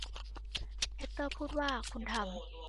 แฮตเตอร์พูดว่า คุณทำ